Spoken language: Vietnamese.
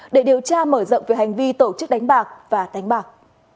để điều tra mở rộng về hành vi tổ chức đánh bạc và đánh bạc